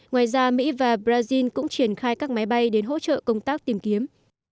ngoài ra mỹ và brazil cũng triển khai các máy bay đến hỗ trợ công tác tìm kiếm